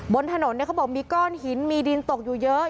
บนถนนเขาบอกมีก้อนหินมีดินตกอยู่เยอะ